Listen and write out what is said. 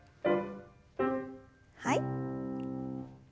はい。